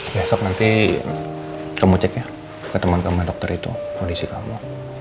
besok nanti kamu ceknya ke teman teman dokter itu kondisi kamu